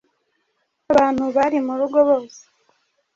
abantu bari mu rugo bose